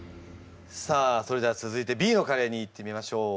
さあそれでは続いてＢのカレーにいってみましょう。